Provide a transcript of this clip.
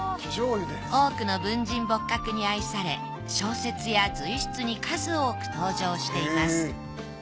多くの文人墨客に愛され小説や随筆に数多く登場しています。